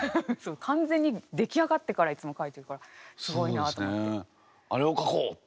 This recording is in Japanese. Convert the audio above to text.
完全に出来上がってからいつも書いてるからすごいなと思って。